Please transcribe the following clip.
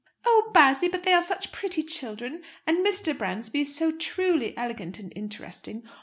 "Oh, Bassy, but they are such pretty children! And Mrs. Bransby is so truly elegant and interesting.